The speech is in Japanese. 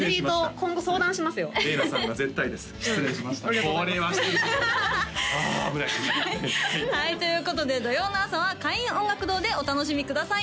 これは失礼あ危ないはいということで土曜の朝は開運音楽堂でお楽しみください